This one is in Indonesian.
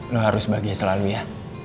lo harus bahagia selalu ya